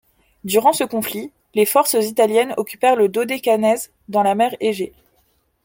Durant ce conflit, les forces italiennes occupèrent le Dodécanèse dans la mer Égée.